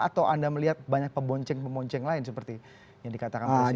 atau anda melihat banyak pembonceng pembonceng lain seperti yang dikatakan mas adi